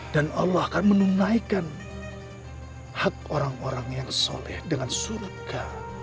dan allah akan menunaikan hak orang orang yang soleh dengan surga